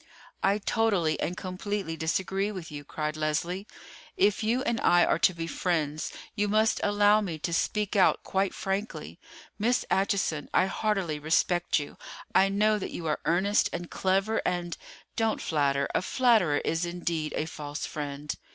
"I totally and completely disagree with you," cried Leslie. "If you and I are to be friends, you must allow me to speak out quite frankly. Miss Acheson, I heartily respect you. I know that you are earnest and clever, and——" "Don't flatter; a flatterer is indeed a false friend."